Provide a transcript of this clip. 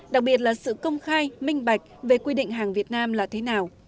đặc biệt là sự công khai minh bạch về quy định hàng việt nam là thế nào